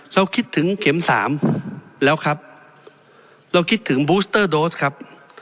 คิดถึงเข็มสามแล้วครับเราคิดถึงบูสเตอร์โดสครับ